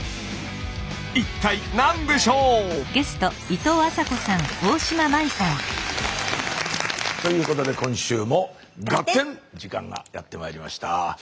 一体何でしょう？ということで今週も「ガッテン！」の時間がやってまいりました。